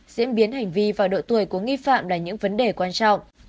diễn biến hành vi và độ tuổi của nghi phạm là những vấn đề quan trọng